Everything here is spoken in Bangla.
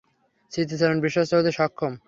স্মৃতিচারণ, বিশ্বস্ত হতে সক্ষম।